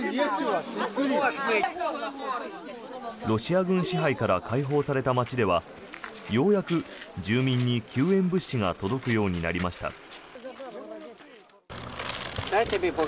ロシア軍支配から解放された街ではようやく住民に救援物資が届くようになりました。